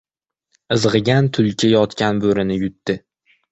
• Izg‘igan tulki yotgan bo‘rini yutdi.